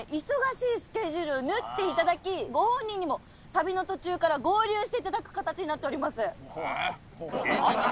忙しいスケジュールを縫っていただきご本人にも旅の途中から合流していただく形になっております。